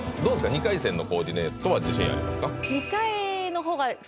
２回戦のコーディネートは自信ありますか？